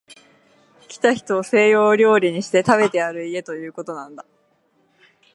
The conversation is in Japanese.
来た人を西洋料理にして、食べてやる家とこういうことなんだ